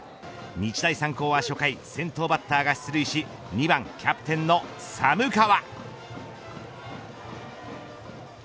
日大三高は初回先頭バッターが出塁し２番キャプテンの寒川。